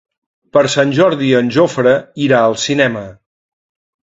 Per Sant Jordi en Jofre irà al cinema.